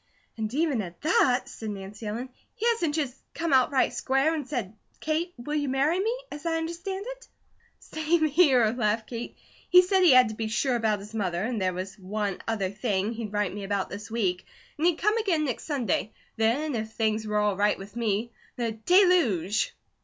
"And even at that," said Nancy Ellen, "he hasn't just come out right square and said 'Kate, will you marry me?' as I understand it." "Same here," laughed Kate. "He said he had to be sure about his mother, and there was 'one other thing' he'd write me about this week, and he'd come again next Sunday; then if things were all right with me the deluge!"